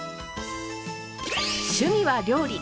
趣味は料理。